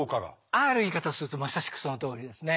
ある言い方するとまさしくそのとおりですね。